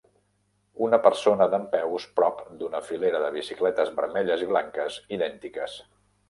Una persona dempeus prop d'una filera de bicicletes vermelles i blanques idèntiques.